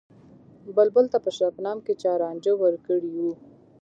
بلبل ته په شبنم کــــې چا رانجه ور کـــړي وو